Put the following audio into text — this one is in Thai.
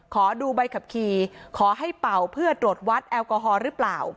ขอดูใบขับขี่ขอให้เป่าเพื่อตรวจวัดแอลกอฮอล์หรือเปล่า